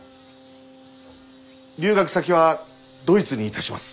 留学先はドイツにいたします。